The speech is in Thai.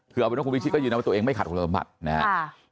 เผื่อว่าคุณวิทย์ก็ยืนรับว่าตัวเองไม่ขาดคุณละบัตรนะฮะ